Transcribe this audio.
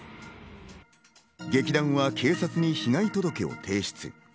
劇団は警察に被害届を提出。